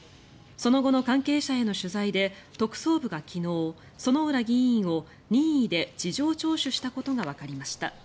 その後の関係者への取材で特捜部が昨日薗浦議員を任意で事情聴取したことがわかりました。